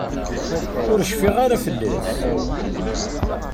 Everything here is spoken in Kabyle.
Ur cfiɣ ara fell-as.